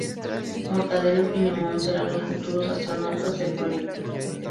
Mortadelo y Filemón serán los futuros astronautas del proyecto.